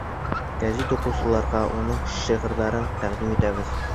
Гәзит уҡыусыларға уның шиғырҙарын тәҡдим итәбеҙ.